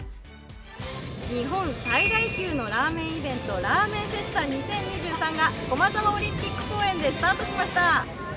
日本最大級のラーメンイベント、ラーメンフェスタ２０２３が駒沢オリンピック公園でスタートしました。